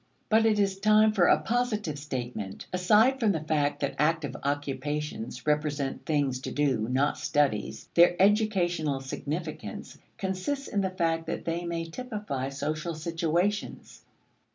But it is time for a positive statement. Aside from the fact that active occupations represent things to do, not studies, their educational significance consists in the fact that they may typify social situations.